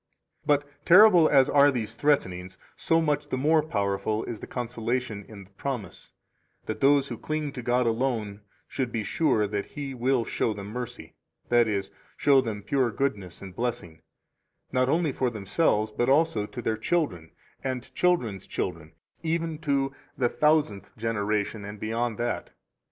39 But terrible as are these threatenings, so much the more powerful is the consolation in the promise, that those who cling to God alone should be sure that He will show them mercy, that is, show them pure goodness and blessing, not only for themselves, but also to their children and children's children, even to the thousandth generation and beyond that.